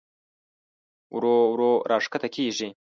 ورو ورو راښکته کېږي.